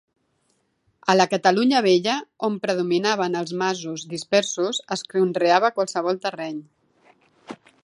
A la Catalunya Vella, on predominaven els masos dispersos, es conreava qualsevol terreny.